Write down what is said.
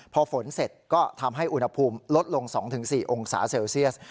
พอฝนเสร็จก็ทำให้อุณหภูมิลดลง๒๔องศาเซลเซียส